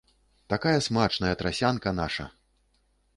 Такая смачная трасянка, наша!